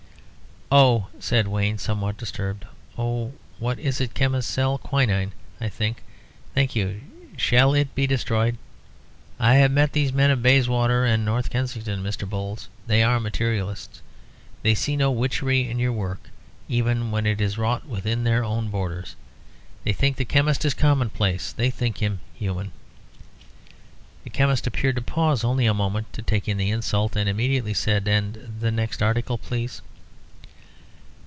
"Oh," said Wayne, somewhat disturbed "oh, what is it chemists sell? Quinine, I think. Thank you. Shall it be destroyed? I have met these men of Bayswater and North Kensington Mr. Bowles, they are materialists. They see no witchery in your work, even when it is wrought within their own borders. They think the chemist is commonplace. They think him human." The chemist appeared to pause, only a moment, to take in the insult, and immediately said "And the next article, please?"